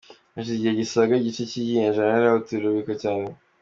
Hashize igihe gisaga igice cy’ikinyejana, ariko turabibuka cyane.